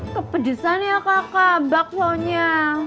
kepedesan ya kakak bakwonya